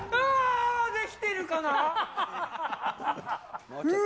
できてるかなー？